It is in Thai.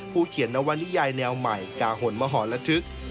ผู้เขียนนวันนิยายแนวใหม่กาหนมหรตฤกษ์